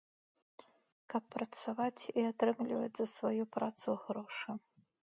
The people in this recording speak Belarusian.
Каб працаваць і атрымліваць за сваю працу грошы.